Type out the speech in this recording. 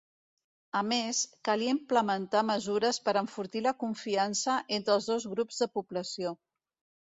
A més, calia implementar mesures per enfortir la confiança entre els dos grups de població.